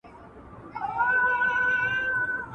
خر پر لار که، خپله چار که.